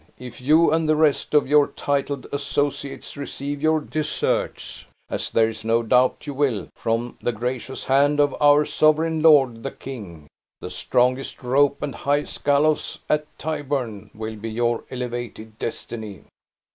If you and the rest of your titled associates receive your deserts (as there is no doubt you will) from the gracious hand of our sovereign lord, the king, the strongest rope and highest gallows at Tyburn will be your elevated destiny."